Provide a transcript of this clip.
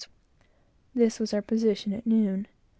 This was our position at noon.